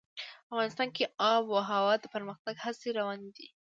افغانستان کې د آب وهوا د پرمختګ هڅې روانې دي.